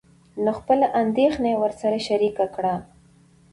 نو خپله اندېښنه يې ورسره شريکه کړه.